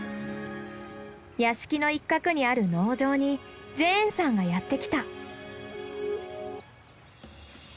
屋敷の一角にある農場にジェーンさんがやって来た。